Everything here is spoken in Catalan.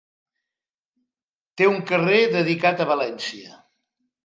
Té un carrer dedicat a València.